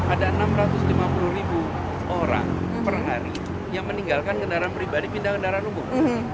ada enam ratus lima puluh ribu orang per hari yang meninggalkan kendaraan pribadi pindah kendaraan umum